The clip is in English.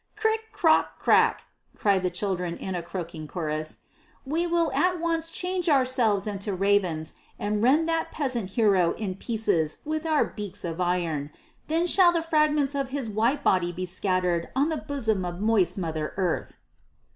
"Crick! Crock! Crack!" cried the children in a croaking chorus; "we will at once change ourselves into ravens and rend that peasant hero in pieces with our beaks of iron. Then shall the fragments of his white body be scattered on the bosom of moist Mother Earth."